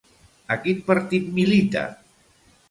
A quin partit milita?